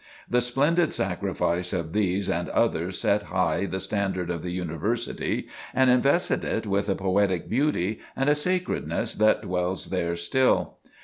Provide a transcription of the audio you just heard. The splendid sacrifice of these and others set high the standard of the University and invested it with a poetic beauty and a sacredness that dwells there still.